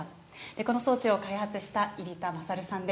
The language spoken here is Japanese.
この装置を開発した入田賢さんです。